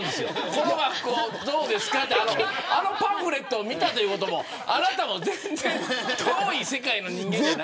この学校どうですかとあのパンフレットを見たということはあなたは全然遠い世界の人間。